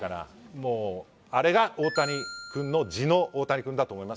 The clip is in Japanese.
もうあれが大谷くんの地の大谷くんだと思いますよ